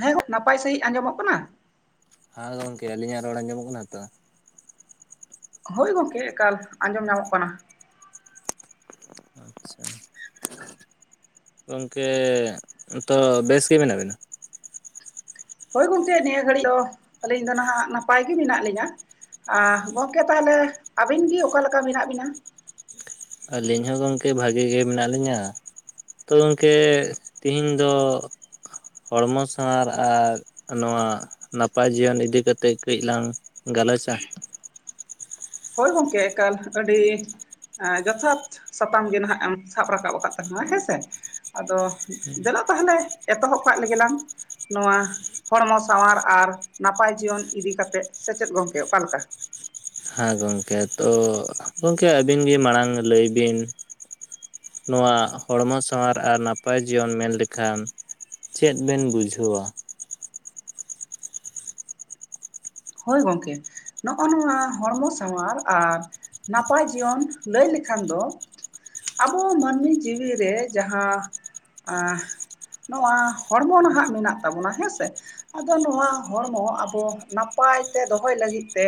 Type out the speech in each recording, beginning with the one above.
ᱦᱮᱸ ᱜᱚ ᱱᱟᱯᱟᱭ ᱥᱟᱺᱦᱤᱡ ᱟᱸᱡᱚᱢᱚᱜ ᱠᱟᱱᱟ? ᱦᱟᱸ ᱜᱚᱝᱠᱮ ᱟᱹᱞᱤᱧᱟᱜ ᱨᱚᱲ ᱟᱸᱡᱚᱢᱚᱜ ᱠᱟᱱᱟ ᱛᱚ? ᱦᱳᱭ ᱜᱚᱝᱠᱮ ᱮᱠᱟᱞ ᱟᱸᱡᱚᱢ ᱧᱟᱢᱚᱜ ᱠᱟᱱᱟ᱾ ᱟᱪᱪᱷᱟ ᱜᱚᱝᱠᱮ ᱛᱚ ᱵᱮᱥ ᱜᱮ ᱢᱮᱱᱟᱜ ᱵᱤᱱᱟ? ᱦᱳᱭ ᱜᱚᱝᱠᱮ ᱱᱤᱭᱟᱹ ᱜᱷᱟᱹᱲᱤᱡ ᱫᱚ ᱟᱹᱞᱤᱧ ᱫᱚ ᱱᱟᱦᱟᱜ ᱱᱟᱯᱟᱭ ᱜᱮ ᱢᱮᱱᱟᱜ ᱞᱤᱧᱟ᱾ ᱟᱸ ᱜᱚᱝᱠᱮ ᱛᱟᱦᱚᱞᱮ ᱟᱵᱤᱱ ᱜᱤ ᱚᱠᱟ ᱞᱮᱠᱟ ᱢᱮᱱᱟᱜ ᱵᱤᱱᱟ? ᱟᱹᱞᱤᱧ ᱦᱚᱸ ᱜᱚᱝᱠᱮ ᱵᱷᱟᱹᱜᱮ ᱜᱮ ᱢᱮᱱᱟᱜ ᱞᱤᱧᱟ᱾ ᱛᱚ ᱜᱚᱝᱠᱮ ᱛᱤᱦᱤᱧ ᱫᱚ ᱦᱚᱲᱢᱚ ᱥᱟᱶᱟᱨ ᱟᱨ ᱱᱚᱣᱟ ᱱᱟᱯᱟᱭ ᱡᱤᱭᱚᱱ ᱤᱫᱤ ᱠᱟᱛᱮᱫ ᱠᱟᱹᱡ ᱞᱟᱝ ᱜᱟᱞᱚᱪᱟ? ᱦᱳᱭ ᱜᱚᱝᱠᱮ ᱮᱠᱟᱞ ᱟᱹᱰᱤ ᱮᱸ ᱡᱚᱛᱷᱟᱛ ᱥᱟᱛᱟᱢ ᱜᱮ ᱱᱟᱦᱟᱜ ᱮᱢ ᱥᱟᱵ ᱨᱟᱠᱟᱵ ᱟᱠᱟᱫ ᱛᱟᱦᱮ ᱱᱟ ᱦᱮᱸᱥᱮ ᱟᱫᱚ ᱫᱮᱞᱟ ᱛᱟᱦᱚᱞᱮ ᱮᱛᱚᱦᱚᱵ ᱠᱟᱜ ᱞᱮᱜᱮ ᱞᱟᱝ᱾ ᱱᱚᱣᱟ ᱦᱚᱲᱢᱚ ᱥᱟᱶᱟᱨ ᱟᱨ ᱱᱟᱯᱟᱭ ᱡᱤᱭᱚᱱ ᱤᱫᱤ ᱠᱟᱛᱮᱫ ᱥᱮᱪᱮᱫ ᱜᱚᱢᱠᱮ ᱚᱠᱟ ᱞᱮᱠᱟ? ᱦᱮᱸ ᱜᱚᱝᱠᱮ ᱛᱚ ᱜᱚᱝᱠᱮ ᱟᱹᱵᱤᱱ ᱜᱮ ᱢᱟᱲᱟᱝ ᱞᱟᱹᱭ ᱵᱤᱱ᱾ ᱱᱚᱣᱟ ᱦᱚᱲᱢᱚ ᱥᱟᱶᱟᱨ ᱟᱨ ᱱᱟᱯᱟᱭ ᱡᱤᱭᱚᱱ ᱢᱮᱱ ᱞᱮᱠᱷᱟᱱ ᱪᱮᱫ ᱵᱮᱱ ᱵᱩᱡᱷᱟᱹᱣᱟ? ᱦᱳᱭ ᱜᱚᱝᱠᱮ᱾ ᱱᱚᱜ-ᱚ ᱱᱚᱣᱟ ᱦᱚᱲᱢᱚ ᱥᱟᱶᱟᱨ ᱟᱨ ᱱᱟᱯᱟᱭ ᱡᱤᱭᱚᱱ ᱞᱟᱹᱭ ᱞᱮᱠᱷᱟᱱ ᱫᱚ ᱟᱵᱚ ᱢᱟᱹᱱᱢᱤ ᱡᱤᱣᱤ ᱨᱮ ᱡᱟᱦᱟᱸ ᱟᱸ ᱱᱚᱣᱟ ᱦᱚᱲᱢᱚ ᱱᱟᱦᱟᱜ ᱢᱮᱱᱟᱜ ᱛᱟᱵᱚᱱᱟ ᱦᱮᱸ ᱥᱮ ᱟᱫᱚ ᱱᱚᱣᱟ ᱦᱚᱲᱢᱚ ᱟᱵᱚ ᱱᱟᱯ ᱯᱟᱭ ᱛᱮ ᱫᱚᱦᱚᱭ ᱞᱟᱹᱜᱤᱫ ᱛᱮ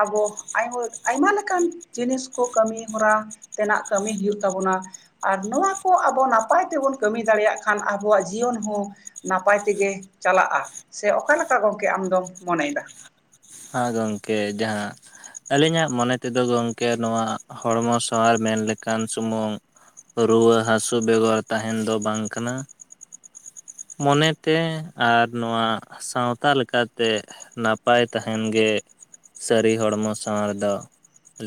ᱟᱵᱚ ᱟᱭᱢᱟᱹᱴ ᱟᱭᱢᱟ ᱞᱮᱠᱟᱱ ᱡᱤᱱᱤᱥ ᱠᱚ ᱠᱟᱹᱢᱤ ᱦᱚᱨᱟ ᱛᱮᱱᱟᱜ ᱠᱟᱹᱢᱤ ᱦᱩᱭᱩᱜ ᱛᱟᱵᱚᱱᱟ, ᱟᱨ ᱱᱚᱣᱟ ᱠᱚ ᱟᱵᱚ ᱱᱟᱯᱟᱭ ᱛᱮᱵᱚᱱ ᱠᱟᱹᱢᱤ ᱫᱟᱲᱮᱭᱟᱜ ᱠᱷᱟᱱ ᱟᱵᱚᱣᱟᱜ ᱡᱤᱭᱚᱱ ᱦᱚᱸ ᱱᱟᱯᱟᱭ ᱛᱮᱜᱮ ᱪᱟᱞᱟᱜ-ᱟ ᱥᱮ ᱚᱠᱟ ᱞᱮᱠᱟ ᱜᱚᱝᱠᱮ ᱟᱢ ᱫᱚᱢ ᱢᱚᱱᱮ ᱮᱫᱟ? ᱦᱟᱸ ᱜᱚᱝᱠᱮ ᱡᱟᱦᱟᱸ ᱟᱹᱞᱤᱧᱟᱜ ᱢᱚᱱᱮ ᱛᱮᱫᱚ ᱜᱚᱝᱠᱮ ᱱᱚᱣᱟ ᱦᱚᱲᱢᱚ ᱥᱟᱶᱟᱨ ᱢᱮᱱ ᱞᱮᱠᱟᱱ ᱥᱩᱢᱩᱝ ᱨᱩᱣᱟᱹ ᱦᱟᱹᱥᱩ ᱵᱮᱜᱚᱨ ᱛᱟᱦᱮᱱ ᱫᱚ ᱵᱟᱝ ᱠᱟᱱᱟ᱾ ᱢᱚᱱᱮ ᱛᱮ ᱟᱨ ᱱᱚᱣᱟ ᱥᱟᱶᱛᱟ ᱞᱮᱠᱟᱛᱮ ᱱᱟᱯᱟᱭ ᱛᱟᱦᱮᱱ ᱜᱮ ᱥᱟᱹᱨᱤ ᱦᱚᱲᱢᱚ ᱥᱟᱶᱟᱨ ᱫᱚ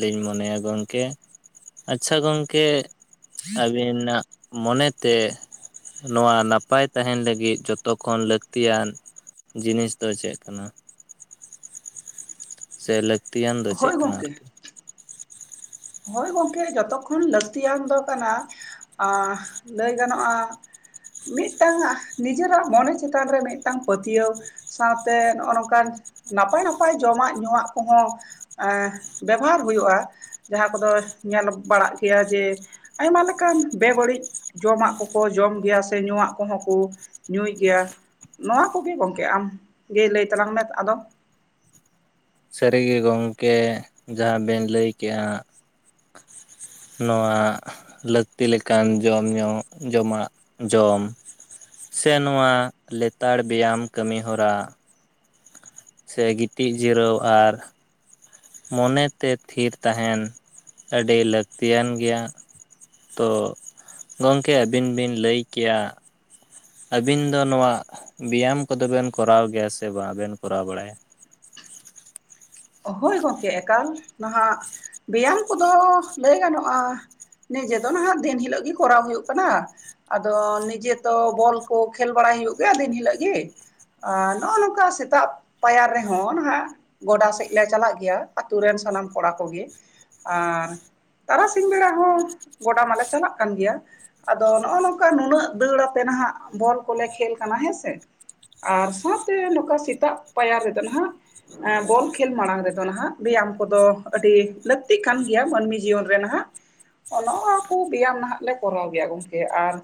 ᱞᱤᱧ ᱢᱚᱱᱮᱭᱟ ᱜᱚᱝᱠᱮ᱾ ᱟᱪᱪᱷᱟ ᱜᱚᱝᱠᱮ ᱟᱹᱵᱤᱱᱟᱜ ᱢᱚᱱᱮ ᱛᱮ ᱱᱚᱣᱟ ᱱᱟᱯᱟᱭ ᱛᱟᱦᱮᱱ ᱞᱟᱹᱜᱤᱫ ᱡᱚᱛᱚ ᱠᱷᱚᱱ ᱞᱟᱹᱠᱛᱤᱭᱟᱱ ᱡᱤᱱᱤᱥ ᱫᱚ ᱪᱮᱜ ᱠᱟᱱᱟ? ᱥᱮ ᱞᱟᱹᱠᱛᱤᱭᱟᱱ ᱫᱚ ᱪᱮᱫ ᱦᱳᱭ ᱠᱟᱱᱟ ᱜᱚᱢᱠᱮ ᱟᱨᱠᱤ? ᱦᱳᱭ ᱜᱚᱝᱠᱮ ᱡᱚᱛᱚ ᱠᱷᱚᱱ ᱞᱟᱹᱠᱛᱤᱭᱟᱱ ᱫᱚ ᱠᱟᱱᱟ ᱟᱸ ᱞᱟᱹᱭ ᱜᱟᱱᱚᱜ-ᱟ ᱢᱤᱫ ᱴᱟᱝ ᱱᱤᱡᱮᱨᱟᱜ ᱢᱚᱱᱮ ᱪᱮᱛᱟᱱ ᱨᱮ ᱢᱤᱫ ᱴᱟᱝ ᱯᱟᱹᱛᱤᱭᱟᱹᱣ, ᱥᱟᱶᱛᱮ ᱱᱚᱜ-ᱚ ᱱᱚᱝᱠᱟᱱ ᱱᱟᱯᱟᱭ ᱱᱟᱯᱟᱭ ᱡᱚᱢᱟᱜ ᱧᱩᱣᱟᱜ ᱠᱚ ᱦᱚᱸ ᱮᱸ, ᱵᱮᱵᱚᱦᱟᱨ ᱦᱩᱭᱩᱜ-ᱟ᱾ ᱡᱟᱦᱟᱸ ᱠᱚᱫᱚ ᱧᱮᱞ ᱵᱟᱲᱟᱜ ᱜᱮᱭᱟ ᱡᱮ, ᱟᱭᱢᱟ ᱞᱮᱠᱟᱱ ᱵᱮᱼᱵᱟᱹᱲᱤᱡᱼᱼ ᱡᱚᱢᱟᱜ ᱠᱚ ᱠᱚ ᱡᱚᱢ ᱜᱮᱭᱟ ᱾ ᱥᱮ ᱧᱩᱣᱟᱜ ᱠᱚᱦᱚᱸ ᱠᱚ ᱧᱩᱭ ᱜᱮᱭᱟ᱾ ᱱᱚᱣᱟ ᱠᱚᱜᱮ ᱜᱚᱝᱠᱮ, ᱟᱢ ᱜᱮ ᱞᱟᱹᱭ ᱛᱟᱞᱟᱝ ᱢᱮ ᱟᱫᱚ᱾ ᱥᱟᱹᱨᱤᱜᱮ ᱜᱚᱝᱠᱮ ᱡᱟᱦᱟᱸ ᱵᱮᱱ ᱞᱟᱹᱭ ᱠᱮᱜᱼᱟ ᱾ ᱱᱚᱣᱟᱜᱼᱼ ᱞᱟᱹᱠᱛᱤ ᱞᱮᱠᱟᱱ ᱡᱚᱢ ᱧᱟᱢᱚᱜ, ᱡᱚᱢᱟᱜ ᱡᱚᱢ ᱾ ᱥᱮ ᱱᱚᱣᱟ ᱞᱮᱛᱟᱲ ᱵᱮᱭᱟᱢ ᱠᱟᱹᱢᱤ ᱦᱚᱨᱟ ᱾ ᱥᱮ ᱜᱤᱛᱤᱡ ᱡᱤᱨᱟᱹᱣ ᱟᱨᱼᱼ ᱢᱚᱱᱮ ᱛᱮ ᱛᱷᱤᱨ ᱛᱟᱦᱮᱱ ᱟᱹᱰᱤ ᱞᱟᱹᱠᱛᱤᱭᱟᱱ ᱜᱮᱭᱟ ᱾ ᱛᱚ ᱜᱚᱝᱠᱮ, ᱟᱹᱵᱤᱱ ᱵᱤᱱ ᱞᱟᱹᱭ ᱠᱮᱭᱟ ᱟᱹᱵᱤᱱ ᱫᱚ ᱱᱚᱣᱟᱜ ᱵᱮᱭᱟᱢ ᱠᱚᱫᱚ ᱵᱮᱱ ᱠᱚᱨᱟᱣ ᱜᱮᱭᱟ ᱥᱮ ᱵᱟᱵᱮᱱ ᱠᱚᱨᱟᱣ ᱵᱟᱲᱟᱭᱟ? ᱦᱳᱭ ᱜᱚᱝᱠᱮ ᱮᱠᱟᱞ, ᱱᱟᱦᱟᱜ ᱵᱮᱭᱟᱢ ᱠᱚᱫᱚ ᱞᱟᱹᱭ ᱜᱟᱱᱚᱜᱼᱟ ᱾ ᱱᱤᱡᱮ ᱫᱚ ᱱᱟᱦᱟᱜ ᱫᱤᱱ ᱦᱤᱞᱳᱜ ᱜᱮ ᱠᱚᱨᱟᱣ ᱦᱳᱭᱳᱜ ᱠᱟᱱᱟ ᱾ ᱟᱫᱚ ᱱᱤᱡᱮ ᱛᱚ, ᱵᱚᱞ ᱠᱚ ᱠᱷᱮᱞ ᱵᱟᱲᱟᱭ ᱦᱩᱭᱩᱜ ᱜᱮᱭᱟ ᱫᱤᱱ ᱦᱤᱞᱳᱜ ᱜᱤ ᱾ ᱟᱸ ᱱᱚᱜᱼᱚ ᱱᱚᱝᱠᱟ ᱥᱮᱛᱟᱜ ᱯᱟᱭᱟᱨ ᱨᱮᱦᱚᱸ ᱱᱟᱦᱟᱜ, ᱜᱚᱰᱟ ᱥᱮᱡ ᱞᱮ ᱪᱟᱞᱟᱜ ᱜᱮᱭᱟ ᱾ ᱟᱹᱛᱳ ᱨᱮᱱ ᱥᱟᱱᱟᱢ ᱠᱚᱲᱟ ᱠᱚᱜᱮ ᱟᱸ ᱾ ᱛᱟᱨᱟᱥᱤᱧ ᱵᱮᱲᱟ ᱦᱚᱸ ᱜᱚᱰᱟ ᱢᱟᱞᱮ ᱪᱟᱞᱟᱜ ᱠᱟᱱ ᱜᱮᱭᱟ ᱾ ᱟᱫᱚ ᱱᱚᱜᱼᱚ ᱱᱚᱝᱠᱟ ᱱᱩᱱᱟᱹᱜ ᱫᱟᱹᱲᱟᱛᱮ ᱱᱟᱦᱟᱜ, ᱵᱚᱞ ᱠᱚᱞᱮ ᱠᱷᱮᱞ ᱠᱟᱱᱟ ᱦᱮᱸ ᱥᱮ ᱾ ᱟᱨ ᱥᱟᱶᱛᱮ ᱱᱚᱝᱠᱟ ᱥᱮᱛᱟᱜ ᱯᱟᱭᱟᱨ ᱨᱮᱫᱚ ᱱᱟᱦᱟᱜ, ᱵᱚᱞ ᱠᱷᱮᱞ ᱢᱟᱲᱟᱝ ᱨᱮᱫᱚ ᱱᱟᱦᱟᱜ᱾ ᱵᱮᱭᱟᱢ ᱠᱚᱫᱚ ᱟᱹᱰᱤ ᱞᱟᱹᱠᱛᱤ ᱠᱟᱱ ᱜᱮᱭᱟ ᱢᱟᱹᱱᱢᱤ ᱡᱤᱭᱚᱱ ᱨᱮ ᱱᱟᱦᱟᱜ ᱾ ᱚ ᱱᱚᱣᱟ ᱠᱚ ᱵᱮᱭᱟᱢ ᱱᱟᱦᱟᱜ ᱞᱮ ᱠᱚᱨᱟᱣ ᱜᱮᱭᱟ ᱜᱚᱝᱠᱮ᱾ ᱟᱨ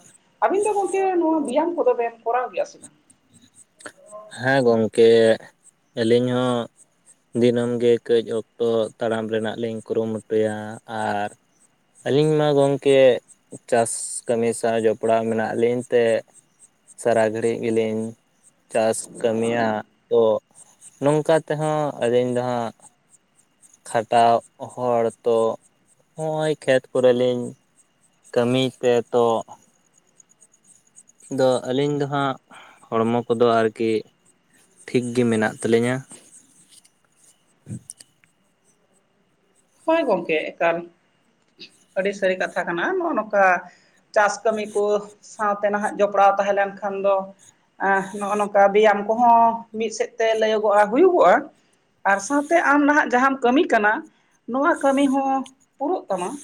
ᱟᱹᱵᱤᱱ ᱫᱚ ᱜᱚᱝᱠᱮ ᱱᱚᱣᱟ ᱵᱮᱭᱟᱢ ᱠᱚᱫᱚ ᱵᱤᱱ ᱠᱚᱨᱟᱣ ᱜᱮᱭᱟ ᱥᱮ ᱵᱟᱝ? ᱦᱮᱸ ᱜᱚᱝᱠᱮ, ᱟᱹᱞᱤᱧ ᱦᱚᱸ ᱾ ᱫᱤᱱᱟᱹᱢ ᱜᱮ ᱠᱟᱹᱡ ᱚᱠᱛᱚ ᱛᱟᱲᱟᱢ ᱨᱮᱱᱟᱜ ᱞᱤᱧ ᱠᱩᱨᱩᱢᱩᱴᱩᱭᱟ ᱟᱨᱼᱼ ᱟᱹᱞᱤᱧ ᱢᱟ ᱜᱚᱝᱠᱮ, ᱪᱟᱥ ᱠᱟᱹᱢᱤ ᱥᱟᱶ ᱡᱚᱯᱲᱟᱣ ᱢᱮᱱᱟᱜ ᱞᱤᱧ ᱛᱮᱼᱼ ᱥᱟᱨᱟ ᱜᱷᱟᱹᱲᱤᱡ ᱜᱮ ᱞᱤᱧ ᱪᱟᱥᱼᱼ ᱠᱟᱹᱢᱤᱭᱟ ᱛᱚ, ᱱᱚᱝᱠᱟ ᱛᱮᱦᱚᱸ ᱟᱹᱞᱤᱧ ᱫᱚ ᱦᱟᱸᱜᱼᱼ ᱠᱷᱟᱴᱟᱣ ᱦᱚᱲ ᱛᱚ ᱦᱚᱸᱜᱼᱚᱭ ᱠᱷᱮᱛ ᱠᱚᱨᱮᱞᱤᱧᱼᱼ ᱠᱟᱹᱢᱤᱛᱮ ᱛᱚ ᱾ ᱫᱚ ᱟᱹᱞᱤᱧ ᱫᱚ ᱦᱟᱸᱜ ᱦᱚᱲᱢᱚ ᱠᱚᱫᱚ ᱟᱨ ᱠᱤᱼᱼ ᱴᱷᱤᱠ ᱜᱮ ᱢᱮᱱᱟᱜ ᱛᱟᱹᱞᱤᱧᱟ ᱾ ᱦᱳᱭ ᱜᱚᱝᱠᱮ ᱮᱠᱟᱞ, ᱟᱹᱰᱤ ᱥᱟᱹᱨᱤ ᱠᱟᱛᱷᱟ ᱠᱟᱱᱟ ᱱᱚᱜᱼᱚ ᱱᱚᱝᱠᱟ ᱾ ᱪᱟᱥ ᱠᱟᱹᱢᱤ ᱠᱚ ᱥᱟᱶᱛᱮ ᱱᱟᱦᱟᱜ ᱡᱚᱯᱲᱟᱣ ᱛᱟᱦᱮᱸ ᱞᱮᱱᱠᱷᱟᱱ ᱫᱚᱼᱼ ᱮᱸᱜ ᱱᱚᱜᱼᱚ ᱱᱚᱝᱠᱟ ᱵᱮᱭᱟᱢ ᱠᱚᱦᱚᱸ ᱢᱤᱫ ᱥᱮᱫ ᱛᱮ ᱞᱟᱹᱭᱟᱹᱜᱚᱜᱼᱟ ᱦᱩᱭᱩᱜᱚᱜᱼᱟ ᱾ ᱟᱨ ᱥᱟᱶᱛᱮ, ᱟᱢ ᱱᱟᱦᱟᱜ ᱡᱟᱦᱟᱸᱟᱢ ᱠᱟᱹᱢᱤ ᱠᱟᱱᱟ ᱾ ᱱᱚᱣᱟ ᱠᱟᱹᱢᱤ ᱦᱚᱸ ᱯᱩᱨᱩᱜ [unintelligible] ᱛᱟᱢᱟ ᱾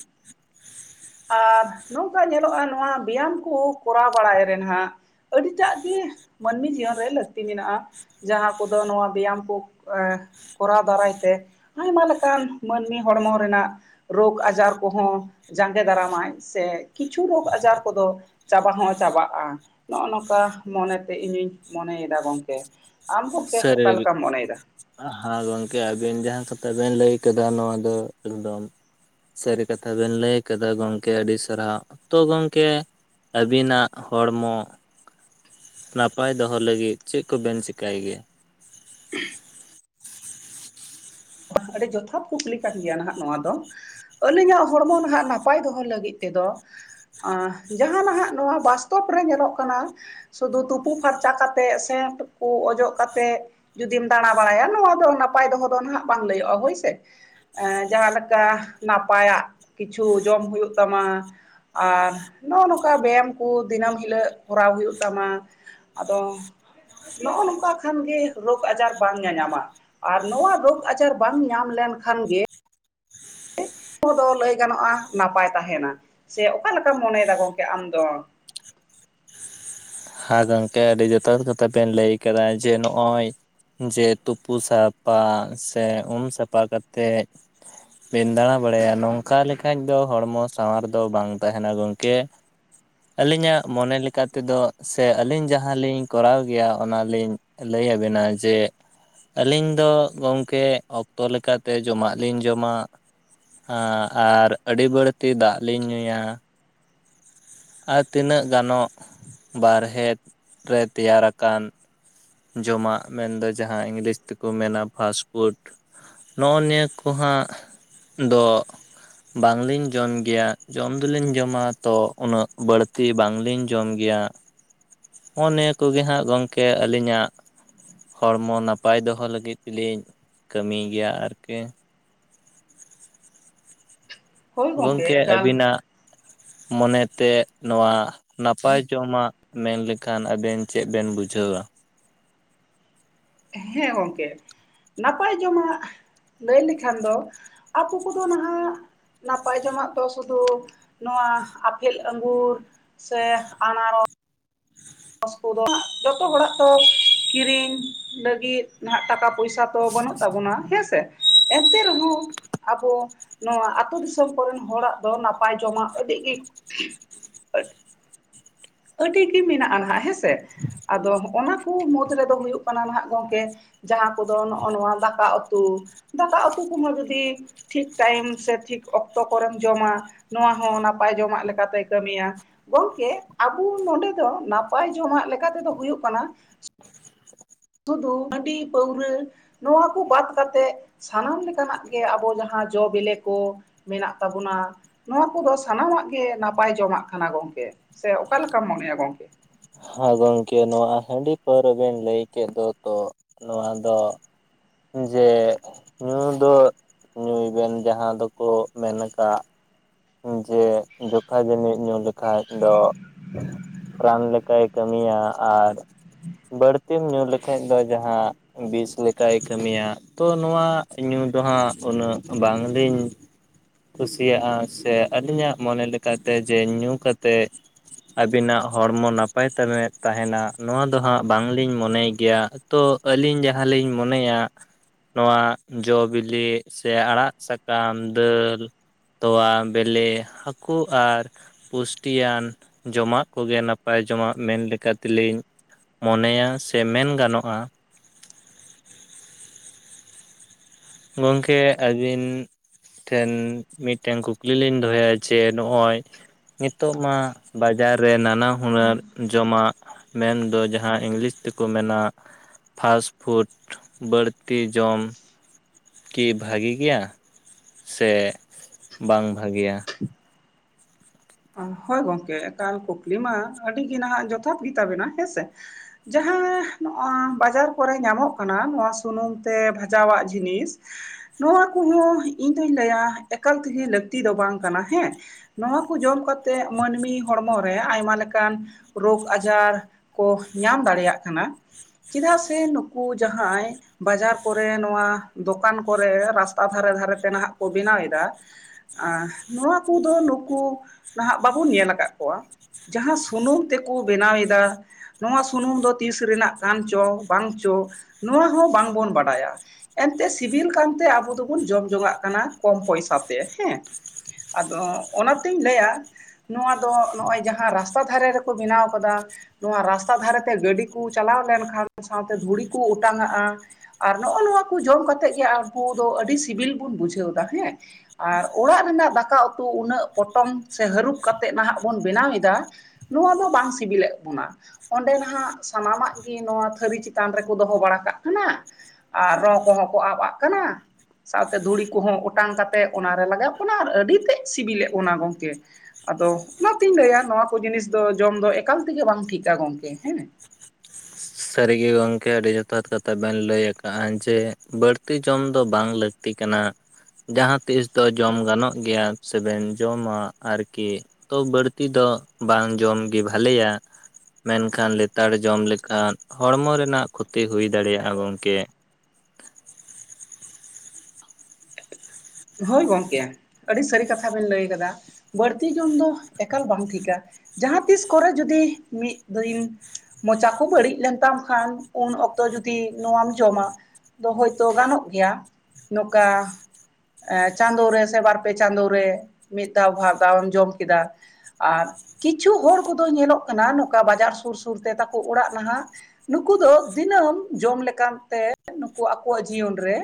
ᱟᱨ ᱱᱚᱝᱠᱟ ᱧᱮᱞᱚᱜᱼᱟ ᱱᱚᱣᱟ ᱵᱮᱭᱟᱢ ᱠᱚ ᱠᱚᱨᱟᱣ ᱵᱟᱲᱟᱭ ᱨᱮ ᱱᱟ ᱦᱟᱸᱜ ᱾ ᱟᱹᱰᱤᱴᱟᱜ ᱜᱮ ᱢᱟᱹᱱᱢᱤ ᱡᱤᱭᱚᱱ ᱨᱮ ᱞᱟᱹᱠᱛᱤ ᱢᱮᱱᱟᱜᱼᱟ ᱾ ᱡᱟᱦᱟᱸ ᱠᱚᱫᱚ ᱱᱚᱣᱟ ᱵᱮᱭᱟᱢ ᱠᱚ ᱮᱸ ᱠᱚᱨᱟᱣ ᱫᱟᱨᱟᱭᱛᱮ ᱟᱭᱢᱟ ᱞᱮᱠᱟᱱᱼᱼ ᱢᱟᱹᱱᱢᱤ ᱦᱚᱲᱢᱚ ᱨᱮᱱᱟᱜᱼᱼ ᱨᱳᱜᱽ ᱟᱡᱟᱨ ᱠᱚᱦᱚᱸ ᱡᱟᱸᱜᱮ ᱫᱟᱨᱟᱢᱟᱭ᱾ ᱥᱮ ᱠᱤᱪᱷᱩ ᱨᱳᱜᱽ ᱟᱡᱟᱨ ᱠᱚᱫᱚᱼᱼ ᱪᱟᱵᱟ ᱦᱚᱸ ᱪᱟᱵᱟᱜᱼᱟ᱾ ᱱᱚᱜᱼᱚ ᱱᱚᱝᱠᱟ ᱢᱚᱱᱮᱛᱮ ᱤᱧᱤᱧ ᱢᱚᱱᱮᱭᱫᱟ ᱜᱚᱝᱠᱮ ᱾ ᱟᱢ ᱦᱚᱠᱮ [unintelligible] ᱚᱠᱟ ᱞᱮᱠᱟᱢ ᱢᱚᱱᱮᱭᱫᱟ? ᱦᱟ ᱜᱚᱝᱠᱮ, ᱟᱹᱵᱤᱱ ᱡᱟᱦᱟᱸ ᱠᱟᱛᱷᱟ ᱵᱮᱱ ᱞᱟᱹᱭ ᱠᱟᱫᱟ ᱱᱚᱣᱟ ᱫᱚ ᱮᱠᱫᱚᱢᱼᱼ ᱥᱟᱹᱨᱤ ᱠᱟᱛᱷᱟ ᱵᱮᱱ ᱞᱟᱹᱭ ᱠᱟᱫᱟ ᱜᱚᱝᱠᱮ ᱟᱹᱰᱤ ᱥᱟᱨᱦᱟᱣ, ᱛᱚ ᱜᱚᱝᱠᱮ ᱟᱹᱵᱤᱱᱟᱜ ᱦᱚᱲᱢᱚ ᱱᱟᱯᱟᱭ ᱫᱚᱦᱚ ᱞᱟᱹᱜᱤᱫ ᱪᱮᱜ ᱠᱚᱵᱮᱱ ᱪᱮᱠᱟᱭ ᱜᱮᱭᱟ? [inaudible] ᱟᱹᱰᱤ ᱡᱚᱛᱷᱟᱛ ᱠᱩᱠᱞᱤ ᱠᱟᱱ ᱜᱮᱭᱟ ᱱᱟᱦᱟᱜ ᱱᱚᱣᱟ ᱫᱚ ᱾ ᱟᱹᱞᱤᱧᱟᱜ ᱦᱚᱲᱢᱚ ᱱᱟᱦᱟᱜ ᱱᱟᱯᱟᱭ ᱫᱚᱦᱚ ᱞᱟᱹᱜᱤᱫ ᱛᱮᱫᱚ ᱟᱸ ᱡᱟᱦᱟᱸ ᱱᱟᱦᱟᱜ ᱱᱚᱣᱟ ᱵᱟᱥᱛᱚᱵ ᱨᱮ ᱧᱮᱞᱚᱜ ᱠᱟᱱᱟ ᱥᱩᱫᱷᱩ ᱛᱩᱯᱩ ᱯᱷᱟᱨᱪᱟ ᱠᱟᱛᱮᱜ ᱥᱮ ᱛᱩᱯᱩ ᱚᱡᱚᱜ ᱠᱟᱛᱮᱜ ᱡᱩᱫᱤᱢ ᱫᱟᱬᱟ ᱵᱟᱲᱟᱭᱟ ᱱᱚᱣᱟ ᱫᱚ ᱱᱟᱯᱟᱭ ᱫᱚᱦᱚ ᱫᱚ ᱱᱟᱦᱟᱜ ᱵᱟᱝ ᱞᱟᱹᱭᱚᱜᱼᱟ ᱦᱳᱭ ᱥᱮ ᱾ ᱮᱜ ᱡᱟᱦᱟᱸ ᱞᱮᱠᱟ ᱱᱟᱯᱟᱭᱟᱜ ᱠᱤᱪᱷᱩ ᱡᱚᱢ ᱦᱩᱭᱩᱜ ᱛᱟᱢᱟ ᱾ ᱟᱨ ᱱᱚᱜᱼᱚ ᱱᱚᱝᱠᱟ ᱵᱮᱭᱟᱢ ᱠᱚ ᱫᱤᱱᱟᱹᱢ ᱦᱤᱞᱳᱜ ᱠᱚᱨᱟᱣ ᱦᱩᱭᱩᱜ ᱛᱟᱢᱟ ᱾ ᱟᱫᱚ ᱱᱚᱜᱼᱚ ᱱᱚᱝᱠᱟ ᱠᱷᱟᱱ ᱜᱮ ᱨᱳᱜᱽ ᱟᱡᱟᱨ ᱵᱟᱝ ᱧᱟᱧᱟᱢᱟ ᱟᱨ ᱱᱚᱣᱟ ᱨᱳᱜᱽ ᱟᱡᱟᱨ ᱵᱟᱝ ᱧᱟᱢ ᱞᱮᱱᱠᱷᱟᱱ ᱜᱮ ᱫᱚ ᱞᱟᱹᱭ ᱜᱟᱱᱚᱜᱼᱟ ᱱᱟᱯᱟᱭ ᱛᱟᱦᱮᱱᱟ, ᱥᱮ ᱚᱠᱟ ᱞᱮᱠᱟᱢ ᱢᱚᱱᱮᱭᱮᱫᱟ ᱜᱚᱝᱠᱮ ᱟᱢ ᱫᱚ? ᱦᱮᱸ ᱜᱚᱝᱠᱮ ᱟᱹᱰᱤ ᱡᱚᱛᱷᱟᱛ ᱠᱟᱛᱷᱟ ᱵᱮᱱ ᱞᱟᱹᱭ ᱠᱟᱫᱟ ᱡᱮ ᱱᱚᱜᱼᱚᱭ ᱡᱮ ᱛᱩᱯᱩ ᱥᱟᱯᱷᱟ ᱥᱮ ᱩᱢ ᱥᱟᱯᱷᱟ ᱠᱟᱛᱮᱫ ᱵᱮᱱ ᱫᱟᱬᱟ ᱵᱟᱲᱟᱭᱟ ᱱᱚᱝᱠᱟ ᱞᱮᱠᱷᱟᱡ ᱫᱚ ᱦᱚᱲᱢᱚ ᱥᱟᱶᱟᱨ ᱫᱚ ᱵᱟᱝ ᱛᱟᱦᱮᱱᱟ ᱜᱚᱝᱠᱮ ᱾ ᱟᱹᱞᱤᱧᱟᱜ ᱢᱚᱱᱮ ᱞᱮᱠᱟ ᱛᱮᱫᱚ ᱥᱮ ᱟᱹᱞᱤᱧ ᱡᱟᱦᱟᱸ ᱞᱤᱧ ᱠᱚᱨᱟᱣ ᱜᱮᱭᱟ ᱚᱱᱟ ᱞᱤᱧ ᱞᱟᱹᱭ ᱟᱹᱵᱤᱱᱟ ᱡᱮ ᱟᱹᱞᱤᱧ ᱫᱚ ᱜᱚᱝᱠᱮ ᱚᱠᱛᱚ ᱞᱮᱠᱟᱛᱮ ᱡᱚᱢᱟᱜ ᱞᱤᱧ ᱡᱚᱢᱟ ᱾ ᱟᱨ ᱟᱹᱰᱤ ᱵᱟᱹᱲᱛᱤ ᱫᱟᱜ ᱞᱤᱧ ᱧᱩᱭᱟ ᱾ ᱟᱨ ᱛᱤᱱᱟᱹᱜ ᱜᱟᱱᱚᱜ [inaudible] ᱵᱟᱨᱦᱮ ᱨᱮ ᱛᱮᱭᱟᱨ ᱟᱠᱟᱱ ᱡᱚᱢᱟᱜ, ᱢᱮᱱᱫᱚ ᱡᱟᱦᱟᱸ ᱤᱝᱞᱤᱥ ᱛᱮᱠᱚ ᱢᱮᱱᱟ ᱯᱷᱟᱥᱴᱯᱷᱩᱰ ᱱᱚᱜᱼᱚ ᱱᱤᱭᱟᱹ ᱠᱚ ᱦᱟᱸᱜ ᱫᱚ ᱵᱟᱝᱞᱤᱧ ᱡᱚᱢ ᱜᱮᱭᱟ, ᱡᱚᱢ ᱫᱚᱞᱤᱧ ᱡᱚᱢᱟ ᱛᱚ ᱩᱱᱟᱹᱜ ᱵᱟᱹᱲᱛᱤ ᱵᱟᱝᱞᱤᱧ ᱡᱚᱢ ᱜᱮᱭᱟ ᱾ ᱦᱚᱸᱜᱼᱚ ᱱᱤᱭᱟᱹ ᱠᱚᱜᱮ ᱦᱟᱸᱜ ᱜᱚᱝᱠᱮ ᱟᱹᱞᱤᱧᱟᱜ ᱦᱚᱲᱢᱚ ᱱᱟᱯᱟᱭ ᱫᱚᱦᱚ ᱞᱟᱹᱜᱤᱫ ᱛᱮᱞᱤᱧ ᱠᱟᱹᱢᱤᱭ ᱜᱮᱭᱟ ᱟᱨᱠᱤ ᱾ ᱦᱳᱭ ᱜᱚᱝᱠᱮ ᱮᱠᱟᱞ ᱟᱹᱵᱤᱱᱟᱜ [inaudible] ᱢᱚᱱᱮᱛᱮ ᱱᱚᱣᱟ ᱱᱟᱯᱟᱭ ᱡᱚᱢᱟᱜ ᱢᱮᱱ ᱞᱮᱠᱷᱟᱱ ᱟᱵᱮᱱ ᱪᱮᱫ ᱵᱮᱱ ᱵᱩᱡᱷᱟᱹᱣᱟ? ᱦᱮᱸ ᱜᱚᱝᱠᱮ [inaudible] ᱱᱟᱯᱟᱭ ᱡᱚᱢᱟᱜ ᱞᱟᱹᱭ ᱞᱮᱠᱷᱟᱱ ᱫᱚ ᱟᱠᱚ ᱠᱚᱫᱚ ᱱᱟᱦᱟᱜ ᱱᱟᱯᱟᱭ ᱡᱚᱢᱟᱜ ᱫᱚ ᱥᱩᱫᱩ ᱱᱚᱣᱟ ᱟᱯᱮᱞ ᱟᱹᱜᱩᱨ ᱥᱮ ᱟᱱᱟᱨᱚ ᱥ ᱠᱚ ᱫᱚ ᱦᱟᱸᱜ ᱡᱚᱛᱚ ᱦᱚᱲᱟᱜ ᱛᱚ ᱠᱤᱨᱤᱧ ᱞᱟᱹᱜᱤᱫ ᱱᱟᱦᱟᱜ ᱴᱟᱠᱟ ᱯᱚᱭᱥᱟ ᱛᱚ ᱵᱟᱹᱱᱩᱜ ᱛᱟᱵᱚᱱᱟ ᱦᱮᱸᱥᱮ, ᱮᱱᱛᱮ ᱨᱮᱦᱚᱸ ᱟᱵᱚ ᱱᱚᱣᱟ ᱟᱹᱛᱩ ᱫᱤᱥᱚᱢ ᱠᱚᱨᱮᱱ ᱦᱚᱲᱟᱜ ᱫᱚ ᱱᱟᱯᱟᱭ ᱡᱚᱢᱟᱜ ᱟᱹᱰᱤ ᱜᱮ [unintelligible] ᱟᱹᱰᱤ ᱜᱮ ᱢᱮᱱᱟᱜᱼᱟ ᱱᱟᱦᱟᱜ ᱦᱮᱸᱥᱮ ᱾ ᱟᱫᱚ ᱦᱚᱸᱜᱼᱱᱟ ᱠᱩ ᱢᱩᱫᱽ ᱨᱮᱫᱚ ᱦᱩᱭᱩᱜ ᱠᱟᱱᱟ ᱱᱟᱦᱟᱜ ᱜᱚᱝᱠᱮ ᱡᱟᱦᱟᱸ ᱠᱚᱫᱚ ᱱᱚᱜᱼᱚ ᱱᱚᱣᱟ ᱫᱟᱠᱟ ᱩᱛᱩ, ᱫᱟᱠᱟ ᱩᱛᱩ ᱠᱚᱦᱚᱸ ᱡᱩᱫᱤ ᱴᱷᱤᱠ ᱴᱟᱭᱤᱢ ᱥᱮ ᱴᱷᱤᱠ ᱚᱠᱛᱚ ᱠᱚᱨᱮᱢ ᱡᱚᱢᱟ ᱱᱚᱣᱟ ᱦᱚᱸ ᱱᱟᱯᱟᱭ ᱡᱚᱢᱟᱜ ᱞᱮᱠᱟᱛᱮ ᱠᱟᱹᱢᱤᱭᱟ ᱾ ᱜᱚᱝᱠᱮ ᱟᱵᱚ ᱱᱚᱰᱮ ᱫᱚ ᱱᱟᱯᱟᱭ ᱡᱚᱢᱟᱜ ᱞᱮᱠᱟ ᱛᱮᱫᱚ ᱦᱩᱭᱩᱜ ᱠᱟᱱᱟ ᱥᱩᱫᱩ ᱦᱟᱺᱰᱤ ᱯᱟᱹᱣᱨᱟᱹ ᱱᱚᱣᱟ ᱠᱚ ᱵᱟᱫ ᱠᱟᱛᱮᱫ ᱥᱟᱱᱟᱢ ᱞᱮᱠᱟᱱᱟᱜ ᱜᱮ, ᱟᱵᱚ ᱡᱟᱦᱟᱸ ᱡᱚ ᱵᱮᱞᱮ ᱠᱚ ᱢᱮᱱᱟᱜ ᱛᱟᱵᱚᱱᱟ᱾ ᱱᱚᱣᱟ ᱠᱚᱫᱚ ᱥᱟᱱᱟᱢᱟᱜ ᱜᱮ ᱱᱟᱯᱟᱭ ᱡᱚᱢᱟᱜ ᱠᱟᱱᱟ ᱜᱚᱝᱠᱮ ᱥᱮ ᱚᱠᱟ ᱞᱮᱠᱟᱢ ᱢᱚᱱᱮᱭᱟ ᱜᱚᱝᱠᱮ? ᱦᱮᱸ ᱜᱚᱝᱠᱮ, ᱱᱚᱣᱟ ᱦᱟᱺᱰᱤ ᱯᱟᱹᱣᱨᱟᱹ ᱵᱮᱱ ᱞᱟᱹᱭ ᱠᱮᱫ ᱫᱚ ᱛᱚ ᱱᱚᱣᱟ ᱫᱚ ᱡᱮ ᱧᱩ ᱫᱚ ᱧᱩᱭᱵᱮᱱ ᱡᱟᱦᱟᱸ ᱫᱚᱠᱚ ᱢᱮᱱ ᱠᱟᱜ ᱡᱮ ᱡᱚᱠᱷᱟ ᱡᱟᱹᱱᱤᱡ ᱧᱩ ᱞᱮᱠᱷᱟᱡ ᱫᱚ ᱨᱟᱱ ᱞᱮᱠᱟᱭ ᱠᱟᱹᱢᱤᱭᱟ ᱟᱨ ᱵᱟᱹᱲᱛᱤᱢ ᱧᱩ ᱞᱮᱠᱷᱟᱡ ᱫᱚ ᱡᱟᱦᱟ ᱵᱤᱥ ᱞᱮᱠᱟᱭ ᱠᱟᱹᱢᱤᱭᱟ ᱛᱚ ᱱᱚᱣᱟ ᱧᱩ ᱫᱚ ᱦᱟᱸᱜ ᱩᱱᱟᱹᱜ ᱵᱟᱝᱞᱤᱧ ᱠᱩᱥᱤᱭᱟᱜᱼᱟ, ᱥᱮ ᱟᱞᱤᱧᱟᱜ ᱢᱚᱱᱮ ᱞᱮᱠᱟᱛᱮ ᱡᱮ ᱧᱩ ᱠᱟᱛᱮᱜ ᱟᱹᱵᱤᱱᱟᱜ ᱦᱚᱲᱢᱚ ᱱᱟᱯᱟᱭ ᱛᱟᱵᱮ ᱛᱟᱦᱮᱱᱟ ᱱᱚᱣᱟ ᱫᱚ ᱦᱟᱸᱜ ᱵᱟᱝᱞᱤᱧ ᱢᱚᱱᱮᱭ ᱜᱮᱭᱟ᱾ ᱛᱚ ᱟᱹᱞᱤᱧ ᱡᱟᱦᱟᱸᱞᱤᱧ ᱢᱚᱱᱮᱭᱟ ᱱᱚᱣᱟ ᱡᱚ ᱵᱤᱞᱤ ᱥᱮ ᱟᱲᱟᱜ ᱥᱟᱠᱟᱢ ᱫᱟᱹᱞ ᱛᱚᱣᱟ ᱵᱮᱞᱮ ᱦᱟᱠᱳ ᱟᱨ ᱯᱩᱥᱴᱤᱭᱟᱱ ᱡᱚᱢᱟᱜ ᱠᱚᱜᱮ ᱱᱟᱯᱟᱭ ᱡᱚᱢᱟᱜ ᱢᱮᱱ ᱞᱮᱠᱟ ᱛᱮᱞᱤᱧ ᱢᱚᱱᱮᱭᱟ ᱥᱮ ᱢᱮᱱ ᱜᱟᱱᱚᱜᱼᱟ᱾ ᱜᱚᱝᱠᱮ ᱟᱵᱤᱱ ᱴᱷᱮᱱ ᱢᱤᱱᱴᱮᱱ ᱠᱩᱠᱞᱤ ᱞᱤᱧ ᱫᱚᱦᱚᱭᱟ ᱡᱮ ᱱᱚᱜᱼᱚᱭ ᱱᱤᱛᱚᱜ ᱢᱟ ᱵᱟᱡᱟᱨ ᱨᱮ ᱱᱟᱱᱟ ᱦᱩᱱᱟᱹᱨ ᱡᱚᱢᱟᱜ ᱢᱮᱱᱫᱚ ᱡᱟᱦᱟᱸ ᱤᱝᱞᱤᱥ ᱛᱮᱠᱚ ᱢᱮᱱᱟ ᱯᱷᱟᱥᱯᱷᱩᱴ ᱵᱟᱹᱲᱛᱤ ᱡᱚᱢ ᱠᱤ ᱵᱷᱟᱜᱮ ᱜᱮᱭᱟ ᱥᱮ ᱵᱟᱝ ᱵᱷᱟᱜᱮᱭᱟ? ᱦᱳᱭ ᱜᱚᱢᱠᱮ ᱮᱠᱟᱞ ᱠᱩᱠᱞᱤ ᱢᱟ ᱟᱹᱰᱤ ᱜᱮ ᱱᱟᱦᱟᱜ ᱡᱚᱛᱷᱟᱛ ᱜᱮ ᱛᱟᱵᱮᱱᱟ ᱦᱮᱸᱥᱮ। ᱡᱟᱦᱟᱸ ᱱᱚᱜ-ᱟ ᱵᱟᱡᱟᱨ ᱠᱚᱨᱮ ᱧᱟᱢᱚᱜ ᱠᱟᱱᱟ ᱱᱚᱣᱟ ᱥᱩᱱᱩᱢ ᱛᱮ ᱵᱷᱟᱡᱟᱣᱟᱜ ᱡᱤᱱᱤᱥ ᱱᱚᱣᱟ ᱠᱚᱦᱚᱸ ᱤᱧ ᱫᱩᱧ ᱞᱟᱹᱭᱟ ᱮᱠᱟᱞ ᱛᱮᱜᱮ ᱞᱟᱹᱠᱛᱤ ᱫᱚ ᱵᱟᱝ ᱠᱟᱱᱟ ᱦᱮᱸ, ᱱᱚᱣᱟ ᱠᱩ ᱡᱚᱢ ᱠᱟᱛᱮᱜ ᱢᱟᱹᱱᱢᱤ ᱦᱚᱲᱢᱚᱨ ᱨᱮ ᱟᱭᱢᱟ ᱞᱮᱠᱟᱱ ᱨᱳᱜᱽ ᱟᱡᱟᱨ ᱠᱚ ᱧᱟᱢ ᱫᱟᱲᱮᱭᱟᱜ ᱠᱟᱱᱟ ᱪᱮᱫᱟᱜ ᱥᱮ ᱱᱩᱠᱩ ᱡᱟᱦᱟᱸᱭ ᱵᱟᱡᱟᱨ ᱠᱚᱨᱮ ᱱᱚᱣᱟ ᱫᱚᱠᱟᱱ ᱠᱚᱨᱮ ᱨᱟᱥᱛᱟ ᱫᱷᱟᱨᱮ ᱫᱷᱟᱨᱮᱛᱮ ᱱᱟᱦᱟᱜ ᱠᱚ ᱵᱮᱱᱟᱣᱮᱫᱟ᱾ ᱮ ᱱᱚᱣᱟ ᱠᱚᱫᱚ ᱱᱩᱠᱩ ᱱᱟᱦᱟᱜ ᱵᱟᱵᱚᱱ ᱧᱮᱞ ᱟᱠᱟᱜ ᱠᱚᱣᱟ᱾ ᱡᱟᱦᱟᱸ ᱥᱩᱱᱩᱢ ᱛᱮᱠᱩ ᱵᱮᱱᱟᱣᱮᱫᱟ᱾ ᱱᱚᱣᱟ ᱥᱩᱱᱩᱢ ᱫᱚ ᱛᱤᱥ ᱨᱮᱱᱟᱜ ᱠᱟᱱ ᱪᱚ ᱵᱟᱝ ᱪᱚ ᱱᱚᱣᱟ ᱦᱚᱸ ᱵᱟᱝᱵᱚᱱ ᱵᱟᱰᱟᱭᱟ᱾ ᱮᱱᱛᱮ ᱥᱤᱵᱤᱞ ᱠᱟᱱᱛᱮ ᱟᱵᱚ ᱫᱚᱵᱚᱱ ᱡᱚᱢ ᱡᱚᱝ-ᱟᱜ ᱠᱟᱱᱟ ᱠᱚᱢ ᱯᱚᱭᱥᱟᱛᱮ ᱦᱮᱸ᱾ ᱟᱫᱚ ᱚᱱᱟᱛᱤᱧ ᱞᱟᱹᱭᱟ ᱱᱚᱣᱟ ᱫᱚ ᱱᱚᱜᱼᱚᱭ ᱡᱟᱦᱟᱸ ᱨᱟᱥᱛᱟ ᱫᱷᱟᱨᱮ ᱨᱮᱠᱚ ᱵᱮᱱᱟᱣ ᱠᱟᱫᱟ ᱱᱚᱣᱟ ᱨᱟᱥᱛᱟ ᱫᱷᱟᱨᱮᱛᱮ ᱜᱟᱹᱰᱤ ᱠᱩ ᱪᱟᱞᱟᱣ ᱞᱮᱱᱠᱷᱟᱱ, ᱥᱟᱶᱛᱮ ᱫᱷᱩᱲᱤ ᱠᱩ ᱚᱴᱟᱝ ᱟᱜᱼᱟ᱾ ᱟᱨ ᱱᱚᱜᱼᱚ ᱱᱚᱣᱟ ᱠᱩ ᱡᱚᱢ ᱠᱟᱛᱮᱜ ᱜᱮ ᱟᱵᱩ ᱫᱚ ᱟᱹᱰᱤ ᱥᱤᱵᱤᱞ ᱵᱩᱱ ᱵᱩᱡᱷᱟᱹᱣ ᱫᱟ ᱦᱮᱸ᱾ ᱟᱨ ᱚᱲᱟᱜ ᱨᱮᱱᱟᱜ ᱫᱟᱠᱟ ᱩᱛᱩ ᱩᱱᱟᱹᱜ ᱯᱚᱴᱚᱢ ᱥᱮ ᱦᱟᱹᱨᱩᱵ ᱠᱟᱛᱮᱫ ᱱᱟᱦᱟᱜ ᱵᱚᱱ ᱵᱮᱱᱟᱣᱮᱫᱟ᱾ ᱱᱚᱣᱟ ᱫᱚ ᱵᱟᱝ ᱥᱤᱵᱤᱞᱮᱫ ᱵᱚᱱᱟ᱾ ᱚᱸᱰᱮ ᱱᱟᱦᱟᱜ ᱥᱟᱱᱟᱢᱟᱜ ᱜᱤ ᱱᱚᱣᱟ ᱛᱷᱟᱹᱨᱤ ᱪᱮᱛᱟᱱ ᱨᱮᱠᱚ ᱫᱚᱦᱚ ᱵᱟᱲᱟ ᱠᱟᱜ ᱠᱟᱱᱟ᱾ ᱟᱨ ᱨᱚ ᱠᱚᱦᱚᱸ ᱠᱚ ᱟᱵᱟᱜ ᱠᱟᱱᱟ᱾ ᱥᱟᱶᱛᱮ ᱫᱷᱩᱲᱤ ᱠᱚᱦᱚᱸ ᱚᱴᱟᱝ ᱠᱟᱛᱮᱜ ᱚᱱᱟᱨᱮ ᱞᱟᱜᱟᱣᱚᱜ ᱠᱟᱱᱟ ᱟᱨ ᱟᱹᱰᱤ ᱛᱮᱫ ᱥᱤᱵᱤᱞᱮᱜ ᱵᱚᱱᱟ ᱜᱚᱝᱠᱮ᱾ ᱟᱫᱚ ᱚᱱᱟᱛᱤᱧ ᱞᱟᱹᱭᱟ ᱱᱚᱣᱟ ᱠᱚ ᱡᱤᱱᱤᱥ ᱫᱚ ᱡᱚᱢ ᱫᱚ ᱮᱠᱟᱞ ᱛᱮᱜᱮ ᱵᱟᱝ ᱴᱷᱤᱠᱟ ᱜᱚᱢᱠᱮ ᱦᱮᱸ᱾ ᱥᱟᱹᱨᱤᱜᱮ ᱜᱚᱝᱠᱮ ᱟᱹᱰᱤ ᱡᱚᱛᱷᱟᱛ ᱠᱟᱛᱷᱟ ᱵᱮᱱ ᱞᱟᱹᱭ ᱟᱠᱟᱜᱼᱟ ᱡᱮ ᱵᱟᱹᱲᱛᱤ ᱡᱚᱢ ᱫᱚ ᱵᱟᱝ ᱞᱟᱹᱠᱛᱤ᱾ ᱛᱤ ᱠᱟᱱᱟ, ᱡᱟᱦᱟᱸᱛᱤᱥ ᱫᱚ ᱡᱚᱢ ᱜᱟᱱᱚᱜ ᱜᱮᱭᱟ ᱥᱮᱵᱮᱱ ᱡᱚᱢᱟ ᱟᱨᱠᱤ᱾ ᱛᱚ ᱵᱟᱹᱲᱛᱤ ᱫᱚ ᱵᱟᱝ ᱡᱚᱢᱜᱮ ᱵᱷᱟᱞᱮᱭᱟ᱾ ᱢᱮᱱᱠᱷᱟᱱ ᱞᱮᱛᱟᱲ ᱡᱚᱢ ᱞᱮᱠᱷᱟᱱ ᱦᱚᱲᱢᱚ ᱨᱮᱱᱟᱜ ᱠᱷᱩᱛᱤ ᱦᱩᱭ ᱫᱟᱲᱮᱭᱟᱜᱼᱟ ᱜᱚᱢᱠᱮ᱾ ᱦᱳᱭ ᱜᱚᱝᱠᱮ, ᱟᱹᱰᱤ ᱥᱟᱹᱨᱤ ᱠᱟᱛᱷᱟ ᱵᱮᱱ ᱞᱟᱹᱭ ᱠᱟᱫᱟ᱾ ᱵᱟᱹᱲᱛᱤ ᱡᱚᱢ ᱫᱚ ᱮᱠᱟᱞ ᱵᱟᱝ ᱴᱷᱤᱠᱟ ᱡᱟᱦᱟᱸ ᱛᱤᱥ ᱠᱚᱨᱮ ᱡᱩᱫᱤ ᱢᱤᱫ ᱫᱤᱱ ᱢᱚᱪᱟ ᱠᱚ ᱵᱟᱹᱲᱤᱡ ᱞᱮᱱ ᱛᱟᱢ ᱠᱷᱟᱱ ᱩᱱ ᱚᱠᱛᱚ ᱡᱚᱫᱤ ᱱᱚᱣᱟᱢ ᱡᱚᱢᱟ, ᱫᱚ ᱦᱳᱭᱛᱚ ᱜᱟᱱᱚᱜ ᱜᱮᱭᱟ, ᱱᱚᱝᱠᱟ ᱮᱸ ᱪᱟᱸᱫᱳ ᱨᱮ ᱥᱮ ᱵᱟᱨ ᱯᱮ ᱪᱟᱸᱫᱳ ᱨᱮ ᱢᱤᱫ ᱫᱷᱟᱣ ᱵᱟᱨ ᱫᱟᱣ ᱮᱢ ᱡᱚᱢ ᱠᱮᱫᱟ, ᱟᱨ ᱠᱤᱪᱷᱩ ᱦᱚᱲ ᱠᱚᱫᱚ ᱧᱮᱞᱚᱜ ᱠᱟᱱᱟ ᱱᱚᱝᱠᱟ ᱵᱟᱡᱟᱨ ᱥᱩᱨ ᱥᱩᱨ ᱛᱮ ᱛᱟᱠᱚ ᱚᱲᱟᱜ ᱱᱟᱦᱟᱸᱜ, ᱱᱩᱠᱩ ᱫᱚ ᱫᱤᱱᱟᱹᱢ ᱡᱚᱢ ᱞᱮᱠᱟᱱ ᱛᱮ ᱱᱩᱠᱩ ᱟᱠᱚᱣᱟᱜ ᱡᱤᱭᱚᱱ ᱨᱮ,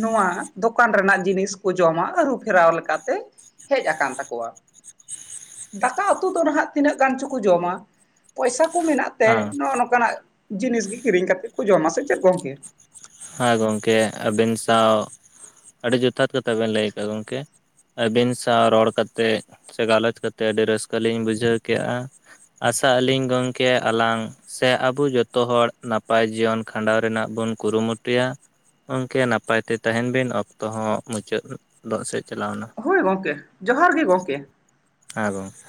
ᱱᱚᱣᱟ ᱫᱚ ᱠᱟᱱ ᱨᱮᱱᱟᱜ ᱡᱤᱱᱤᱥ ᱠᱚ ᱡᱚᱢᱟ ᱟᱹᱨᱩ ᱯᱷᱮᱨᱟᱣ ᱞᱮᱠᱟᱛᱮ ᱦᱮᱡ ᱟᱠᱟᱱ ᱛᱟᱠᱚᱣᱟ᱾ ᱫᱟᱠᱟ ᱩᱛᱩ ᱫᱚ ᱱᱟᱦᱟᱸᱜ ᱛᱤᱱᱟᱹᱜ ᱜᱟᱱ ᱪᱚᱠᱚ ᱡᱚᱢᱟ, ᱯᱚᱭᱥᱟ ᱠᱚ ᱢᱮᱱᱟᱜ ᱛᱮ ᱦᱮᱸ ᱱᱚᱜᱼᱚ ᱱᱚᱝ ᱠᱟᱱᱟᱜ ᱡᱤᱱᱤᱥ ᱜᱮ ᱠᱤᱨᱤᱧ ᱠᱟᱛᱮ ᱠᱚ ᱡᱚᱢᱟ ᱥᱮ ᱪᱮᱫ ᱜᱚᱝᱠᱮ? ᱦᱮᱸ ᱜᱚᱢᱠᱮ ᱟᱹᱵᱤᱱ ᱥᱟᱶ ᱟᱹᱰᱤ ᱡᱚᱛᱷᱟᱛ ᱠᱟᱛᱷᱟ ᱵᱮᱱ ᱞᱟᱹᱭ ᱠᱟᱜᱼᱟ ᱜᱚᱢᱠᱮ᱾ ᱟᱹᱵᱤᱱ ᱥᱟᱶ ᱨᱚᱲ ᱠᱟᱛᱮᱜ ᱥᱮ ᱜᱟᱞᱚᱪ ᱠᱟ ᱠᱟᱛᱮᱜ ᱟᱹᱰᱤ ᱨᱟᱹᱥᱠᱟᱹ ᱞᱤᱧ ᱵᱩᱡᱷᱟᱹᱣ ᱠᱮᱜᱼᱟ᱾ ᱟᱥᱟᱜ ᱟᱹᱞᱤᱧ ᱜᱚᱝᱠᱮ ᱟᱞᱟᱝ ᱥᱮ ᱟᱵᱚ ᱡᱚᱛᱚ ᱦᱚᱲ ᱱᱟᱯᱟᱭ ᱡᱤᱭᱚᱱ ᱠᱷᱟᱸᱰᱟᱣ ᱨᱮᱱᱟᱜ ᱵᱩᱱ ᱠᱩᱨᱩᱢᱩ ᱴᱩᱭᱟ ᱜᱚᱢᱠᱮ ᱱᱟᱯᱟᱭ ᱛᱮ ᱛᱟᱦᱮᱸᱱ ᱵᱤᱱ, ᱚᱠᱛᱚ ᱦᱚᱸ ᱢᱩᱪᱟᱹᱫᱚᱜ ᱥᱮᱫ ᱪᱟᱞᱟᱣ ᱱᱟ᱾ ᱦᱳᱭ ᱜᱚᱢᱠᱮ ᱡᱚᱦᱟᱨ ᱜᱮ ᱜᱚᱢᱠᱮ᱾ ᱦᱟᱸ ᱜᱚᱢᱠᱮ᱾